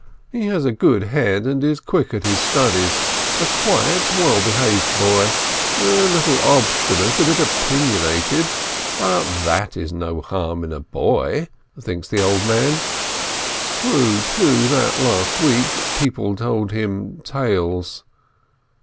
He has a good head, and is quick at his studies, a quiet, well behaved boy, a little obstinate, a bit opinionated, but that is no harm in a boy, thinks the old man. True, too, that last week people told him tales.